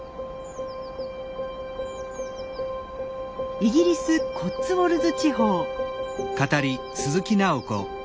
イギリス・コッツウォルズ地方。